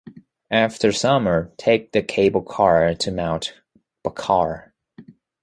After summer, take the cable-car to Mount Bochor.